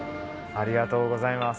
ありがとうございます。